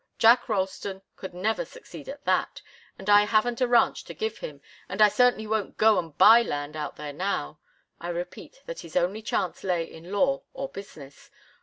Jack Ralston could never succeed at that and I haven't a ranch to give him, and I certainly won't go and buy land out there now. I repeat that his only chance lay in law or business.